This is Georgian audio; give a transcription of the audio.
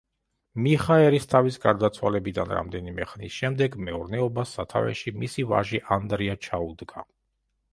მიხა ერისთავის გარდაცვალებიდან რამდენიმე ხნის შემდეგ მეურნეობას სათავეში მისი ვაჟი ანდრია ჩაუდგა.